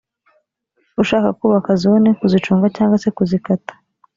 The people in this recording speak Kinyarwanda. ushaka kubaka zone kuzicunga cyangwa se kuzikata